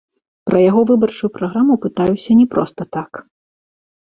Пра яго выбарчую праграму пытаюся не проста так.